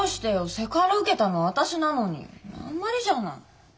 セクハラ受けたのは私なのにあんまりじゃない。